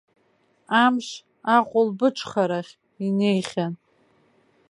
Амш ахәылбыҽхарахь инеихьан.